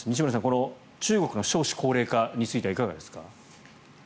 この中国の少子高齢化についてはいかがですか。